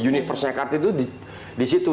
universe nya kartini itu disitu